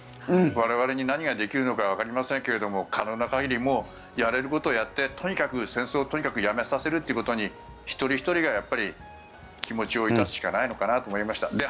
我々に何ができるのかわかりませんけど可能な限りやれることをやってとにかく戦争をやめさせるということに一人ひとりが気持ちをいたすしかないのかなという気がしました。